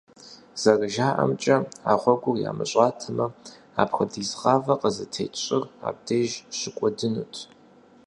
Зэрыжаӏэмкӏэ, а гъуэгур ямыщӏатэмэ, апхуэдиз гъавэ къызытекӏ щӏыр абдеж щыкӏуэдынут.